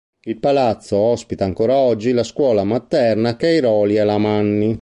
Il palazzo ospita ancora oggi la scuola materna Cairoli Alamanni.